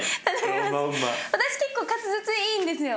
私結構滑舌いいんですよ。